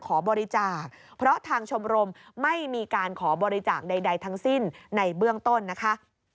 ขอบริจาคเพราะทางชมรมไม่มีการขอบริจาคใดทั้งสิ้นในเบื้องต้นนะคะ